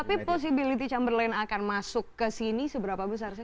tapi posibilitas coutinho akan masuk ke sini seberapa besar